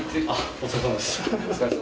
お疲れさまです